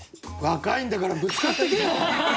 若いんだからぶつかっていけよ！